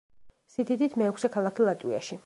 სიდიდით მეექვსე ქალაქი ლატვიაში.